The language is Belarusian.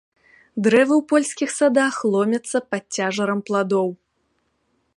Дрэвы ў польскіх садах ломяцца пад цяжарам пладоў.